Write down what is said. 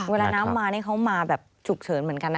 เวลาน้ำมานี่เขามาแบบฉุกเฉินเหมือนกันนะ